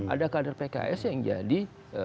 ada kader pks yang jadi